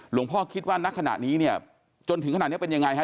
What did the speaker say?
หลวงพ่อคิดว่านักขณะนี้เนี่ยจนถึงขณะนี้เป็นยังไงครับ